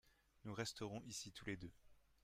Nous resterons ici tous les deux.